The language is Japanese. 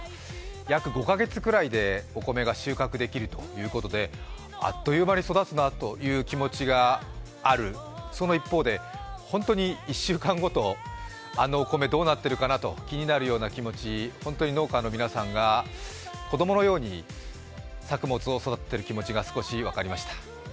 約５か月くらいでお米が収穫できるということであっという間に育つなという気持ちがある、その一方で、本当に１週間ごと、あのお米どうなっているかなと、気になるような気持ち、本当に農家の皆さんが子供のように作物を育てている気持ちが少し分かりました。